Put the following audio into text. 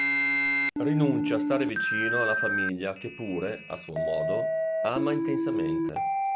Rinuncia a stare vicino alla famiglia che pure, a suo modo, ama intensamente.